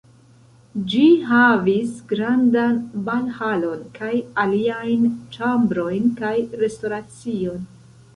Ĝi havis grandan balhalon kaj aliajn ĉambrojn kaj restoracion.